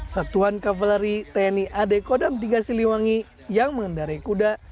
satuan kavaleri tni ad kodam tiga siliwangi yang mengendarai kuda